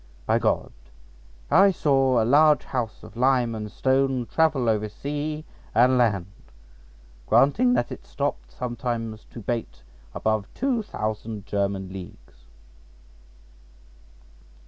By G—, I saw a large house of lime and stone travel over sea and land (granting that it stopped sometimes to bait) above two thousand German leagues."